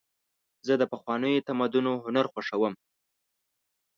زه د پخوانیو تمدنونو هنر خوښوم.